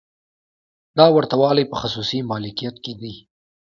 دا ورته والی په خصوصي مالکیت کې دی.